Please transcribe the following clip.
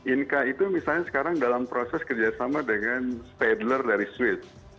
inka itu misalnya sekarang dalam proses kerjasama dengan stadler dari swiss